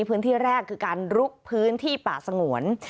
พื้นที่แรกคือการลุกพื้นที่ป่าสงวน